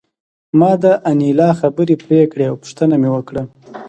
ما د انیلا خبرې پرې کړې او پوښتنه مې وکړه